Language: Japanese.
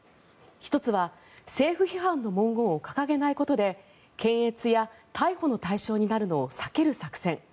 １つは政府批判の文言を掲げないことで検閲や逮捕の対象になるのを避ける作戦。